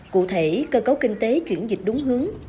cụ thể cơ cấu kinh tế chuyển dịch đúng hướng